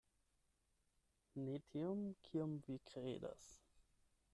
Ne tiom, kiom vi kredas.